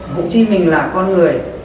hữu chi mình là con người